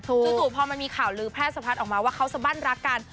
จู่พอมันมีข่าวลือแพร่สะพัดออกมาว่าเขาสบั้นรักกัน